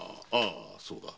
そうだ。